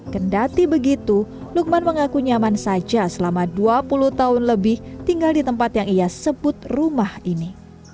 kendati begitu lukman mengaku nyaman saja selama dua puluh tahun lebih tinggal di tempat yang ia sebut rumah ini